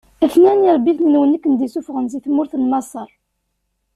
A-ten-an iṛebbiten-nwen i ken-id-issufɣen si tmurt n Maṣer.